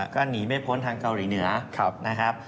ก็หนีไม่พ้นทางเกาหลีเหนือนะครับ